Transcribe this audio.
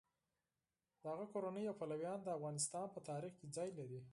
د هغه کورنۍ او پلویان د افغانستان په تاریخ کې ځای لري.